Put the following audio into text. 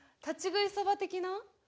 立ち食いそば的な？